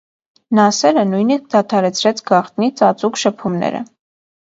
Նասերը նույնիսկ դադարեցրեց գաղտնի, ծածուկ շփումները։